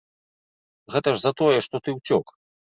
Гэта ж за тое, што ты ўцёк.